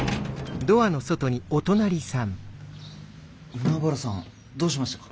海原さんどうしましたか？